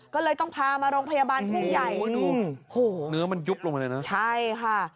ก็เลยต้องพามาโรงพยาบาลทุ่งใหญ่โอ้โหเนื้อมันยุบลงไปเลยนะใช่ค่ะ